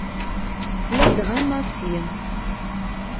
Ladɣa Massi.